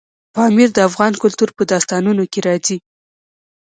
پامیر د افغان کلتور په داستانونو کې راځي.